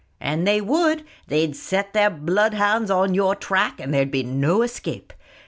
"And they would, they'd set their bloodhounds on your track, and there'd be no escape.